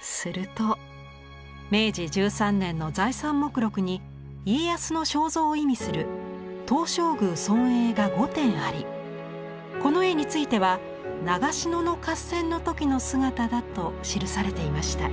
すると明治１３年の財産目録に家康の肖像を意味する「東照宮尊影」が５点ありこの絵については長篠の合戦の時の姿だと記されていました。